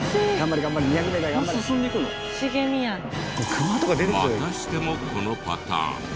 またしてもこのパターン。